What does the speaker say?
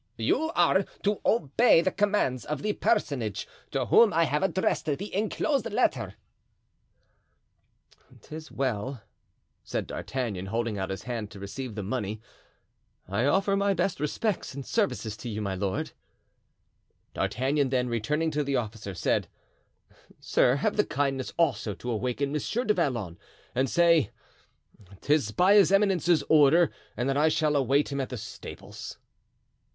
"You are to obey the commands of the personage to whom I have addressed the inclosed letter." "'Tis well," said D'Artagnan, holding out his hand to receive the money. "I offer my best respects and services to you, my lord." D'Artagnan then, returning to the officer, said: "Sir, have the kindness also to awaken Monsieur du Vallon and to say 'tis by his eminence's order, and that I shall await him at the stables."